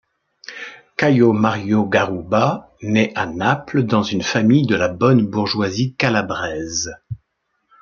Caio Mario Garrubba nait à Naples dans une famille de la bonne bourgeoisie calabraise.